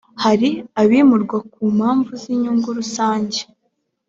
hari abimurwa ku mpamvu z’inyungu rusange